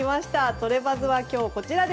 トレバズは今日はこちら。